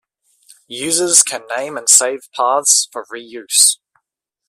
Users can name and save paths for reuse.